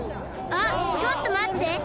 あっちょっとまって！